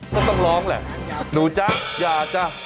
ก็ต้องร้องแหละหนูจ๊ะอยากจะ